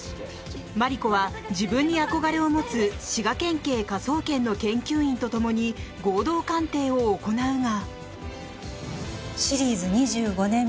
マリコは自分に憧れを持つ滋賀県警科捜研の研究員と共に合同鑑定を行うが。